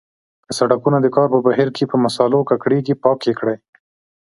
که سړکونه د کار په بهیر کې په مسالو ککړیږي پاک یې کړئ.